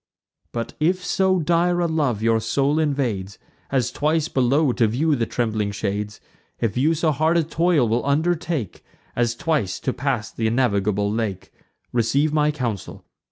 But if so dire a love your soul invades, As twice below to view the trembling shades; If you so hard a toil will undertake, As twice to pass th' innavigable lake; Receive my counsel.